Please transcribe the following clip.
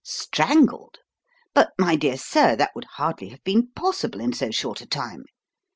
"Strangled? But, my dear sir, that would hardly have been possible in so short a time.